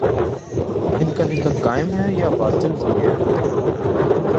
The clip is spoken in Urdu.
ان کا نکاح قائم ہے یا باطل ہو گیا ہے